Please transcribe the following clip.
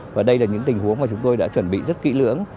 và đây là những tình huống mà chúng tôi đã chuẩn bị rất kỹ lưỡng